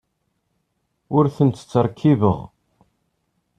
Ur tent-ttṛekkibeɣ.